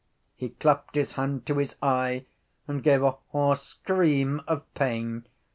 He clapped his hand to his eye and gave a hoarse scream of pain.